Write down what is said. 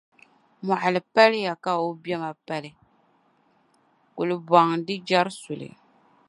Mɔɣili paliya ka o biɛma pali; kulibɔŋ di jɛri suli.